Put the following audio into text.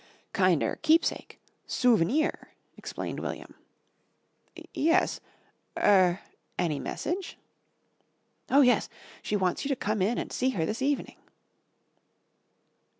"Kinder keep sake. Souveneer," explained William. "Yes. Er any message?" "Oh, yes. She wants you to come in and see her this evening."